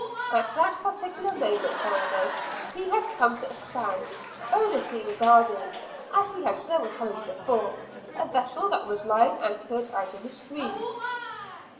At that particular moment however, he had come to a stand, earnestly regarding, as he had several times before, a vessel that was lying anchored out in the stream.